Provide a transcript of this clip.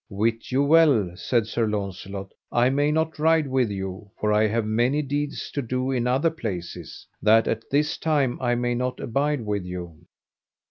Wit you well, said Sir Launcelot, I may not ride with you, for I have many deeds to do in other places, that at this time I may not abide with you.